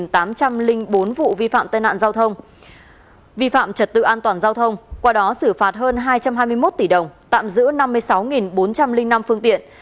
lực lượng công an toàn quốc đã xử lý ba trăm năm mươi bảy tám trăm linh bốn vụ vi phạm tai nạn giao thông vi phạm trật tự an toàn giao thông qua đó xử phạt hơn hai trăm hai mươi một tỷ đồng tạm giữ năm mươi sáu bốn trăm linh năm phương tiện